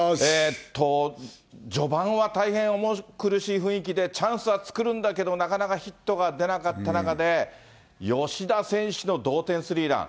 序盤は大変重苦しい雰囲気で、チャンスは作るんだけど、なかなかヒットが出なかった中で、吉田選手の同点スリーラン。